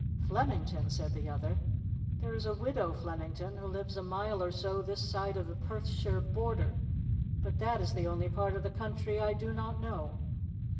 "Flemington ?" said the other. "There is a widow Flemington who lives a mile or so this side of the Perthshire border; but that is the only part of the country I do not know."